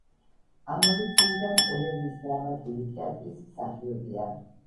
ამავე წლიდან ერევნის დრამატული თეატრის მსახიობია.